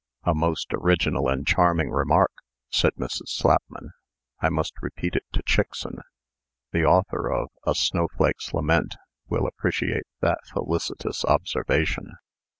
"A most original and charming remark!" said Mrs. Slapman. "I must repeat it to Chickson. The author of 'A Snowflake's Lament' will appreciate that felicitous observation.